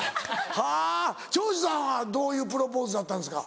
はぁ長州さんはどういうプロポーズだったんですか？